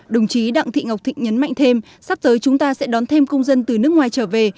đồng chí đặng thị ngọc thịnh nhấn mạnh thêm sắp tới chúng ta sẽ đón thêm công dân từ nước ngoài trở về